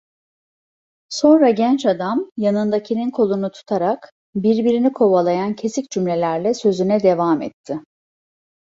Sonra genç adam yanındakinin kolunu tutarak, birbirini kovalayan kesik cümlelerle sözüne devam etti…